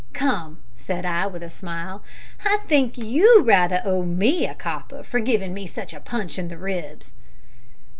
"Come," said I, with a smile, "I think you rather owe me a copper for giving me such a punch in the ribs."